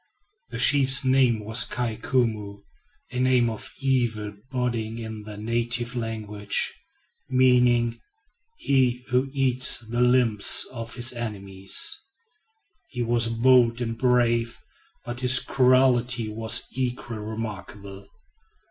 The chief's name was "Kai Koumou," a name of evil boding in the native language, meaning "He who eats the limbs of his enemy." He was bold and brave, but his cruelty was equally remarkable.